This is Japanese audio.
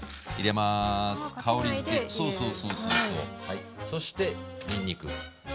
はいそしてにんにく。